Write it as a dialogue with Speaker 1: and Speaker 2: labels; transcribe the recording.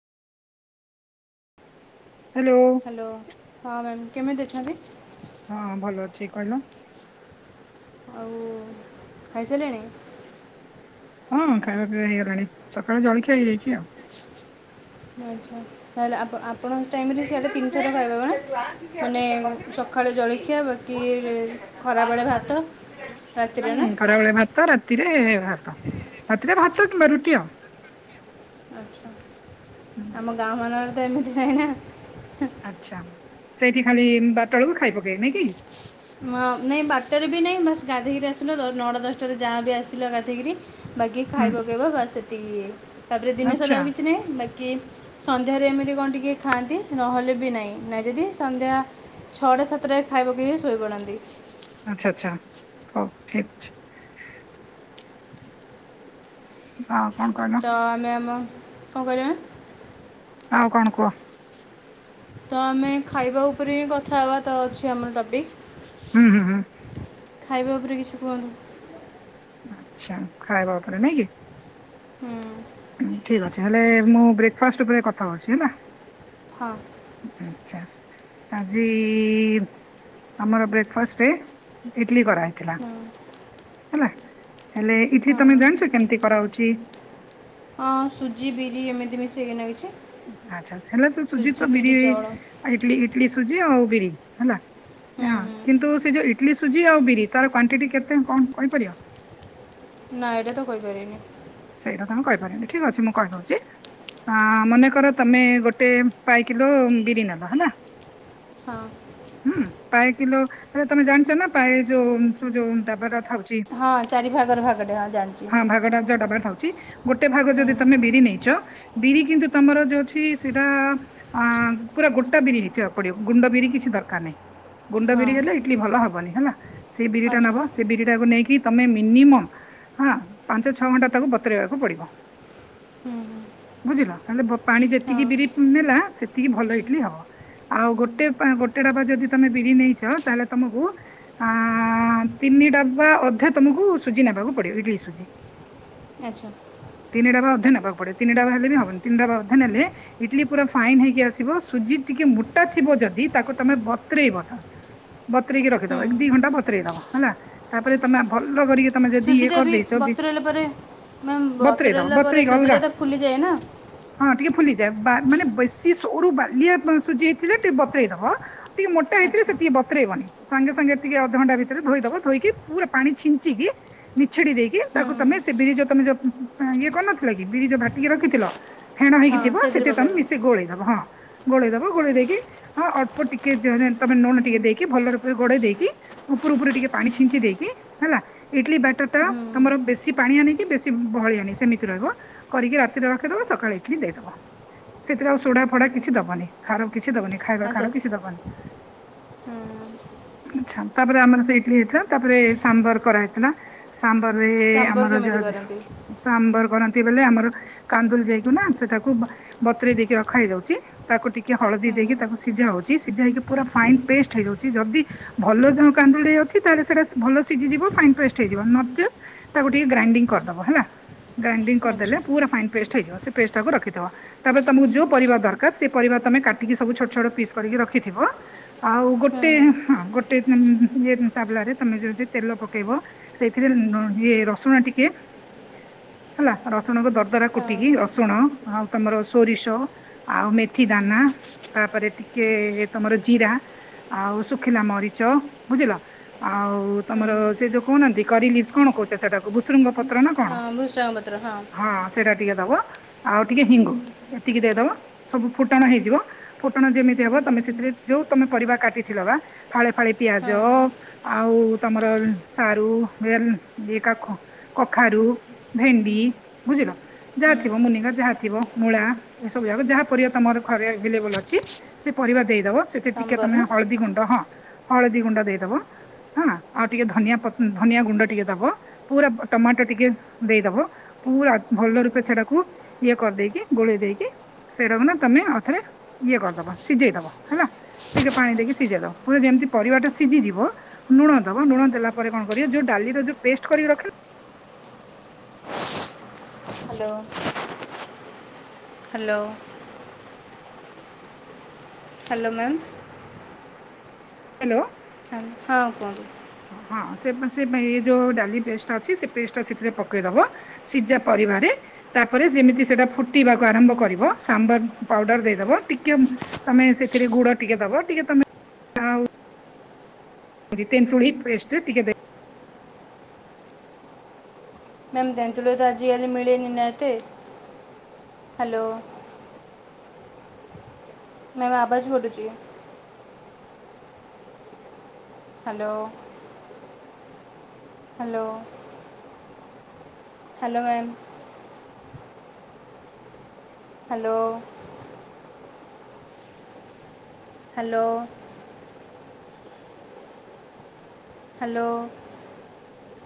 Speaker 1: Hello ହଁ ma'am. କେମିତି ଅଛନ୍ତି।
Speaker 2: ହଁ ଭଲ ଅଛି କହିଲ।
Speaker 1: ଆଉ ଖାଇସାରିଲେଣି।
Speaker 2: ହଁ ଖାଇବା ପିଇବା ହେଇଗଲାଣି ସକାଳେ ଜଳଖିଆ ହେଇଯାଇଛି ଆଉ
Speaker 1: ଆଛା ତାହେଲେ ଆ
Speaker 2: ହଁ ଖରାବେଳେ
Speaker 1: ମାନେ ସକାଳେ ଜଳଖିଆ ବାକି ଖରାବେଳେ ଭାତ ରାତିରେ ନା
Speaker 2: ଭାତ ରାତିରେ ଭାତ ରାତିରେ ଭା ଭାତ କିମ୍ବା ରୁଟି ଆଉ।
Speaker 1: ଆଚ୍ଛା ଆମ ଗାଁମାନଙ୍କରେ ସେମିତି ନାଇ ନା
Speaker 2: ଆଛା। ସେଇଠି ଖାଲି ବାରଟା ବେଳକୁ ଖାଇ ପକେଇ ନାଇଁ କି
Speaker 1: ନାଇଁ ବାରଟାରେ ବି ନାହିଁ ବାସ ଗାଧେଇକିର ଆସିଲୁ ନଅଟା ଦଶଟାରେ ଯାହା ବି ଆସିଲ ଗାଧୋଇକିରି ବାକି
Speaker 2: ହୁଁ
Speaker 1: ଖାଇବ ପକେଇବ ବାସ ସେତିକି। ଇଏ। ତାପରେ ଦିନ ସାରା
Speaker 2: ଆଚ୍ଛା
Speaker 1: ଆଉ କିଛି ନାହିଁ ବାକି କି ସନ୍ଧ୍ୟାରେ ଏମିତି କଣ ଟିକଏ ଖାଆନ୍ତି ନହେଲେ ବି ନାହିଁ ନାଇ ଯଦି ସନ୍ଧ୍ୟା ଛଅଟା ସାତଟା ଖାଇବ କିଏ ଶୋଇ ପଡ଼ନ୍ତି।
Speaker 2: ଆଛା ଆଚ୍ଛା ହଉ ଠିକ ଅଛି ଆ
Speaker 1: ତ ଆମେ ଆମ କଣ କହିଲ।
Speaker 2: ଆଉ କଣ କୁହ।
Speaker 1: ତ ଆମେ ଖାଇବା ଉପରେ ହିଁ କଥା ହେବାତ ଅଛି ଆମର ଟପିକ।
Speaker 2: ହୁଁ ହୁଁ ହୁଁ।
Speaker 1: ଖାଇବା ଉପରେ କିଛି କୁହନ୍ତୁ।
Speaker 2: ଆଛା ଖାଇବା ଉପରେ ନେଇକି
Speaker 1: ହୁଁ।
Speaker 2: ଠିକ ଅଛି ହେଲେ ମୁଁ ବ୍ରେକ୍ ଫାଷ୍ଟ ଉପରେ କଥା ହଉଛି ହେଲା।
Speaker 1: ହଁ।
Speaker 2: ଆଛା ଆଜି ଆମର ବ୍ରେକ୍ଫାଷ୍ଟରେ [unintelligible] କରାହଇଥିଲା। ହେଲା। ହେଲେ ଇଟ୍ଲି ତମେ
Speaker 1: ହଁ
Speaker 2: ଜାଣିଛ କେମିତି କରାହଉଛି।
Speaker 1: ହଁ ସୁଜି ବିରି ଏମିତି ମିଶେଇକିନା କିଛି।
Speaker 2: ଆଚ୍ଛା ହେଲେ ତ ସୁଜି ତ ବିରି ଇ ଇଡଲି ସୁଜି ଆଉ। ବିରି ହେଲା।
Speaker 1: ହୁଁ
Speaker 2: ହଁ
Speaker 1: ହୁଁ
Speaker 2: କିନ୍ତୁ ସେ ଯୋଉ ଇ ଇଟଲି ସୁଜି ଆଉ ବିରି ତାର କ୍ବାଣ୍ଟିଟି କେତେ କଣ କହିପାରିବ?
Speaker 1: ନା ଏଇଟା ତ କହିପାରିବିନି।
Speaker 2: ସେଇଟା ତମେ କହିପାରନି ଠିକ ଅଛି ମୁଁ କହିଦେଉଛି ମନେକର ତମେ ଗୋଟେ ପାଇ କିଲୋ ବିରି ନେବା ହେଲା।
Speaker 1: ହଁ
Speaker 2: ହୁଁ ପାଏ କିଲୋ ହେଲେ ତମେ ଜାଣିଛ ନାଏ ପାଏ ଯୋଉ ଯୋଉ ଡବାର ଥାଉ।
Speaker 1: ହଁ ଚାରି ଭାଗର ଭାଗଟେ ହଁ ଜାଣିଛି।
Speaker 2: ହଁ ଭାଗଟା ଯୋଉ ଡବାରେ ଗୋଟେ ଭାଗ
Speaker 1: ହୁଁ
Speaker 2: ଯଦି ତମେ ବିରି ନେଇଛ। ବିରି କିନ୍ତୁ ତମର ଯୋଉ ଅଛି ସେଇଟା ଅ ପୁରା ଗୋଟା ବିରି ନେଇିବାକୁ ପଡିବ ଗୁଣ୍ଡ ବିରି କିଛି ଦରକାର ନାହିଁ। ଗୁଣ୍ଡ
Speaker 1: ହଁ
Speaker 2: ବିରି ହେଲେଇଲି ଭଲ ହବନି। ହେଲା ସେଇ ବିରିଟା
Speaker 1: ଆଚ୍ଛା
Speaker 2: ନବ ସେ ବିରି ଟାକୁ ନେଇକି। ତମେ ମିନିମମ ପାଞ୍ଚ ଛଅ ଘଣ୍ଟା। ତାକୁ ବତୁରେଇବାକୁ ପଡିବ।
Speaker 1: ହୁଁ ହୁଁ
Speaker 2: ବୁଝିଲ ହେଲେ ପାଣି ଯେତିକି
Speaker 1: ହଁ
Speaker 2: ବିରି ନେଲା ସେ। ଏତିକି ଭଲ ଇଡଲି ହବ ଆଉ ଗୋଟେ ଗୋଟେ ଡବା ଯଦି ତମେ ବିରି ନେଇଛ ତାହେଲେ ତମକୁ ଆ ତିନି ଡବା ଅଧେ ତମକୁ ସୁଜି ନେବାକୁ ପଡିବ ଇଡଲି ସୁଜି।
Speaker 1: ଆଚ୍ଛା
Speaker 2: ତିନି ଡବା ନେବାକୁ ପଡିବ ତିନି ଡବା ହେଲେ ବି ହବନି ତିନି ଡବା ନେଲେ ଇଟଲି ପୁରା ଫାଇନ୍ ହେଇକି ଆସିବ ସୁଜି ଟିକେ ମୋଟା ଥିବ ଯଦି ତାକୁ ତମେ ବତୁରେଇବ। ବତୁରେଇକି
Speaker 1: ହୁଁ
Speaker 2: ରଖିଦବା ଦି
Speaker 1: ହୁଁ
Speaker 2: ଘଣ୍ଟା ବ ବ ହେଲା ତାପରେ ତମେ ଭଲ କରିକି। ତମେ ଯଦି ଏ କରିଦେଇଛ ବି
Speaker 1: ମ୍ୟାମ
Speaker 2: ବତରେଇ ଦବ
Speaker 1: ବତୁରେଇଲା ପରେ
Speaker 2: ବତରେଇକି ଅଲଗା
Speaker 1: ସୁଜିଟା ତ ଫୁଲିଯାଏ ନା।
Speaker 2: ହଁ ଟିକେ ଫୁଲିଯାଏ ମାନେ ବେଶୀ ସୋରୁ ବାଲିଆ ସୁଜି ହେଇଥିଲେ ଟିକେ ବତୁରେଇଦବା। ଟିକେ ମୋଟ ହେଇଥିରେ ସେ
Speaker 1: ଆଚ୍ଛା
Speaker 2: ଟିକେ ବତରଇବନି। ସାଙ୍ଗେ ସାଙ୍ଗେ ଟିକେ ଅଧଘଣ୍ଟା ଭିତରେ ଧୋଇଦବ ଧୋଇକି ପୁରା ପାଣି ଛିଞ୍ଚିକି ମିଛଡି ଦେଇକି
Speaker 1: ହୁଁ
Speaker 2: ତାକୁ।
Speaker 1: ହୁଁ
Speaker 2: ତମେ ସେ ବିରିଜ ତମେ ଯୋ ଇଏ କରିନଥିଲା କି ବିରିଜ ବାଟିକି ରଖିଥିଲ। ଫେଣ ହେଇକି
Speaker 1: ହଁ
Speaker 2: ଥିବ ସେଥିରେ ତମେ
Speaker 1: ପକାଇଦେବ
Speaker 2: ମିଶି ଗୋଳେଇଦବ ହଁ। ଗୋଳେଇ ଦବ ଗୋଳେଇ ଦେଇକି ହଁ ଅଳ୍ପ ଟିକେ ତମେ ଲୁଣ ଟିକେ ଦେଇକି ଭଲରେ ଗୋଳେଇ ଦେଇକି ଉପରୁ ଉପରୁ ଟିକେ ପାଣି ଛିଞ୍ଚି ଦେଇକି ହେଲା ଇଡଲି ବାଟର ଟା
Speaker 1: ହୁଁ
Speaker 2: ତମର ବେଶୀ। କି ପାଣି ଆଣି କି ବେଶୀ ବହଳି ଆନି ସେମିତି ରହିବ କରିକି ରାତିରେ ରଖିଦବ ସକାଳେ ଇଟଲିି ଦେଇଦବ ସେଥିରେ ଆଉ ସୋଡା ଫଡା କିଛି ଦବନି ଖାର କି। କିଛି ଦବନି ଖାଇବା
Speaker 1: ଆଚ୍ଛା
Speaker 2: ଖାର କିଛି ଦବନି।
Speaker 1: ହୁଁ
Speaker 2: ଆଚ୍ଛା ତାପରେ ଆମର ସେ ଇଟଲିି ହେଇଥିଲା ତାପରେ ସାମ୍ବର କରାହଇଥିଲା। ସାମ୍ବାରେଁ
Speaker 1: ସାମ୍ବର କେମିତି କରନ୍ତି
Speaker 2: [unintelligible] [unintelligible] ସାମ୍ବର କରନ୍ତି। ସେଏ ବେଲେ ଆମର କାନ୍ଦୁଲ ଯାଇ କୁନା ସେଟାକୁ ବ ବତରେ ଦେଇକି ରଖା ହେଇଯାଉଚି ତାକୁ ଟିକେ ହଳଦୀ
Speaker 1: ହୁଁ
Speaker 2: ଦେଇକି ତାକୁ ସିଝା ହୋଉଚି ସିଝା ହେଇକି ପୁରା ଫାଇନ ପେଷ୍ଟ ହେଇଯାଉଚି ଯଦି ଭଲ କାନ୍ଦୁଲି ଆଛି ତାହେଲେ ସେଇଟା ଭଲ ସିଜିଯିବ ଫାଇନ୍ ପେଷ୍ଟ ହେଇଯିବ। ନଦେ ତାକୁ ଟିକେ ଗ୍ରାଇଣ୍ଡିଙ୍ଗ କରିଦବ ହେଲା। ଗ୍ରାଇଣ୍ଡଙ୍ଗ
Speaker 1: ଆଚ୍ଛା
Speaker 2: କରିଦେଲେ ପୁରା ଫାଇନ୍ ପେଷ୍ଟ [unintelligible] ସେ ପେଷ୍ଟ ଟାକୁ ରଖିଥିବ ତାପରେ ତମକୁ ଯୋଉ ପରିବା ଦରକାର ସେ ପରିବା ତମେ କାଟିକି ସବୁ ଛୋଟ ଛୋଟ ପିସ୍ କରିକି ରଖିଥିବ ଆଉ
Speaker 1: ହୁଁ
Speaker 2: ଗୋଟେ ହଁ ଗୋଟେ [unintelligible] ତାବଲା ରେ ତମେ ଯୋଉଚି ତେଲ ପକେଇ ସେଥି ନ ଇଏ ରସୁଣ ଟିକେ ହେଲା ରସୁଣଙ୍କ ଦରଦରା
Speaker 1: ହଁ
Speaker 2: କୁଟିକି ରସୁଣ ଆଉ ତମର ସୋରିଷ ଆଉ ମେଥି ଦାନା ତାପରେ ଟିକେ ତମର ଜିରା ଆଉ ଶୁଖିଲା ମରିଚ ବୁଝିଲ ଆଉ
Speaker 1: ହୁଁ
Speaker 2: ତମର ସେ ଯୋଉ କହୁନାହାନ୍ତି କରିଲିଫସ୍ କଣ କହୁ ସେଟାକୁ ବୁସୃଙ୍ଗ ପତ୍ର ନା
Speaker 1: ହଁ ବୃଷଙ୍ଗପତ୍ର ହଁ
Speaker 2: ଟିକେ ଦବ ଆଉ ଟିକେ ହିଙ୍ଗୁ ଏତିକି ଦେଇଦବ ସବୁ ଫୁଟଣ ହେଇଯିବ ଫୁଟଣ ଯେମିତି ହବ ତମେ ସେଥିରେ ଯୋଉ ତମେ ପରିବା କାଟିଥିଲ ବା ଫାଳେ ଫାଳେ ପିଆଜ
Speaker 1: ହଁ
Speaker 2: ଆଉ ତମର ସାରୁ [unintelligible] [unintelligible] କଖାରୁ ଭେଣ୍ଡି ବୁଝିଲ ଯାହା
Speaker 1: ହୁଁ
Speaker 2: ଥିବ ମୁନିଗା ଯାହା ଥିବ ମୂଳା ଏସବୁ ଯାକ ଯାହା ପରିବା ତମର ଘରେ ଆଭେଲେବଲ ଅଛି ସେ ପରିବା ଦେଇଦବ। ସେତିର ଟିକେ
Speaker 1: ସାମ୍ବର
Speaker 2: ତମେ
Speaker 1: ନା
Speaker 2: ହଳଦୀ ଗୁଣ୍ଡ ହଁ ହଳଦୀ ଗୁଣ୍ଡ ଦେଇଦବ ହଁ ଆଉ ଟିକେ ଧନିଆ ପ ଧନିଆ ଗୁଣ୍ଡ ଟିକେ ଦବ ପୁରା ଟମାଟୋ ଟିକେ ଦେଇଦବ ପୁରା ଭଲ ରୂପେ ସେଟାକୁ ଇଏ କରିଦେଇକି ଗୋଳେଇ ଦେଇକି ସେଇଟାକୁ ନା ତମେ ଅଉଥରେ ଇଏ କରିଦବ ସିଜେଇ ଦବ ହେଲା ଟିକେ ପାଣି ଦେଇକି ସିଜେଇ ଦବ ପୁର ଯେମତି ପରିବାଟା ସିଜିଯିବ ନୁଣ ଦଭ ନୁଣ ଦେଲା ପରେ କଣ କରିବ ଯଉ ଡାଲିର ଯଉ ପେଷ୍ଟ କରିକି ରଖିନ
Speaker 1: hello hello hello ma'am
Speaker 2: hello
Speaker 1: [unintelligible] ହଁ କୁହନ୍ତୁ।
Speaker 2: ହଁ ସେ ବେଁଇ ବେଁ ଏ ଯୋଉ ଡାଲି ପେଷ୍ଟା ଅଛି ସେ ପେଷ୍ଟ ଟା ସେଥିରେ ପକେଇଦବ ସିଜା ପରିବାରେ ତାପରେ ଯେମିତି ସେଟା ଫୁଟବାକୁ ଆରମ୍ଭ କରିବ ସାମ୍ବର ଉଁ ପାଉଡର ଦେଇଦବ ଟିକେ ଉଁ ତମେ ସେଥିରେ ଗୁଡ ଟିକେ ଦବ ଟିକେ ତମେ ତେନ୍ତୁଳି ପେଷ୍ଟ ଟିକେ ଦେଇ
Speaker 1: ମ୍ୟାମ୍ ତେନ୍ତୁଳ [unintelligible] ଆଜି କାଲି ମିଳେ ନି ନା ଏତେ ହାଲୋ ମ୍ୟାମ୍ ଆବାଜ କଟୁଚି hello hello hello ma'am hello hello hello